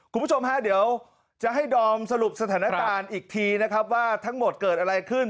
คุณผู้ชมฮะเดี๋ยวจะให้ดอมสรุปสถานการณ์อีกทีนะครับว่าทั้งหมดเกิดอะไรขึ้น